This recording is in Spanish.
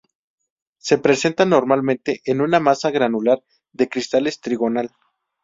Se presenta normalmente en una masa granular de cristales trigonal.